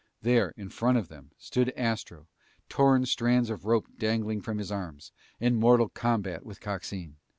There, in front of them, stood Astro, torn strands of rope dangling from his arms, in mortal combat with Coxine.